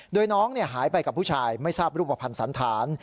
โดยน้องหายไปกับผู้ชายไม่ทราบรูปภัณฑ์สันธาร